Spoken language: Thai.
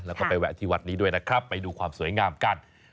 แล้วก็ไปแวะที่วัดนี้ด้วยนะครับไปดูความสวยงามกัน